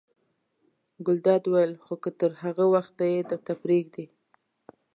ګلداد وویل: خو که تر هغه وخته یې درته پرېږدي.